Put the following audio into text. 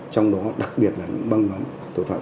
trong đó đặc biệt là những băng nhóm tội phạm